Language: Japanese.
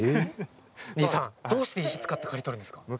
新居さん、どうして石を使って刈り取るんですか？